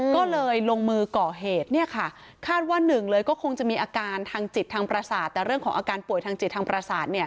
ก็เลยลงมือก่อเหตุเนี่ยค่ะ